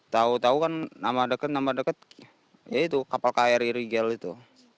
tahu tahu kan nama deket nama deket ya itu kapal kri rigel itu